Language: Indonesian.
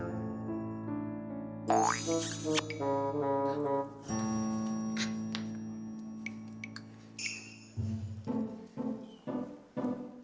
aduh oma gak mau dipijit